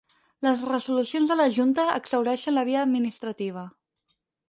Les resolucions de la Junta exhaureixen la via administrativa.